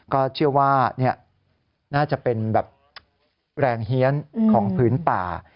ก็เชื่อว่าน่าจะเป็นแบบแรงเฮียนของพื้นป่า